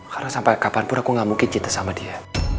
karena sampai kapanpun aku gak mungkin cinta sama dia